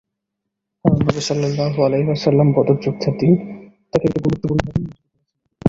কারণ নবী সাল্লাল্লাহু আলাইহি ওয়াসাল্লাম বদর যুদ্ধের দিন তাঁকে একটি গুরুত্বপূর্ণ কাজে নিয়োজিত করেছিলেন।